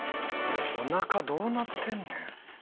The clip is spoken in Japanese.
「お腹どうなってんねん？」